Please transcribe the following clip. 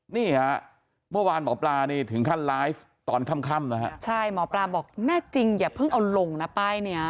นี่ฮะเมื่อวานหมอปลานี่ถึงขั้นไลฟ์ตอนค่ำนะฮะใช่หมอปลาบอกแน่จริงอย่าเพิ่งเอาลงนะป้ายเนี้ย